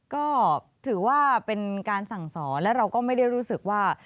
ก็ถือว่าเป็นการสั่งสอนและเราก็ไม่ได้รู้สึกว่า